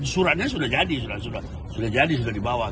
suratnya sudah jadi sudah dibawa